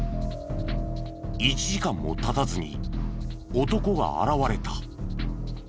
１時間も経たずに男が現れた。